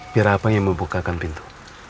biar apa yang membukakan pintu